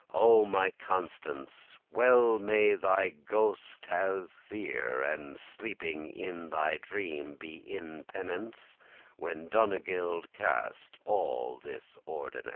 O my Constance, well may thy ghost* have fear, *spirit And sleeping in thy dream be in penance,* *pain, trouble When Donegild cast* all this ordinance.